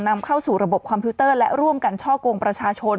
นำเข้าสู่ระบบคอมพิวเตอร์และร่วมกันช่อกงประชาชน